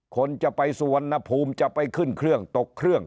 คนจะไปสุวรรณภูมิจะไปขึ้นเครื่องตกเครื่อง